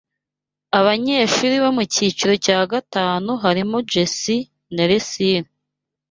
Abanyeshuri bo mucyiciro cya gatanu harimo Jesi na Lesili